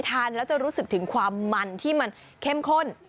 ทานแล้วจะรู้สึกถึงความมันที่มันเข้มข้น